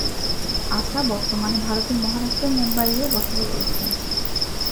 আশা বর্তমানে ভারতের মহারাষ্ট্রের মুম্বইয়ে বসবাস করছেন।